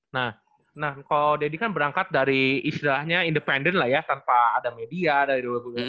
nah nah ko deddy kan berangkat dari istilahnya independen lah ya tanpa ada media dari dua ribu delapan belas